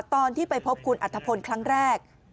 ตอนที่ไปพบคุณอัฐพลครั้งแรก